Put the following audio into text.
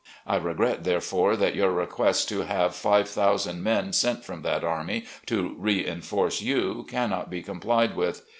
I regret, therefore, that your request to have five thousand men sent from that army to reinforce you cannot be com plied with.